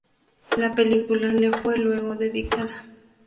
La película le fue luego dedicada.